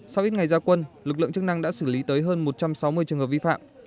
sau ít ngày gia quân lực lượng chức năng đã xử lý tới hơn một trăm sáu mươi trường hợp vi phạm